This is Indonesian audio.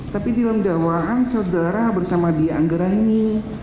tapi di dalam dakwaan saudara bersama dia anggreni